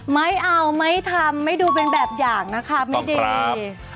ไม่เอาไม่ทำไม่ดูเป็นแบบอย่างนะคะไม่ดี